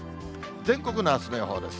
全国のあすの予報です。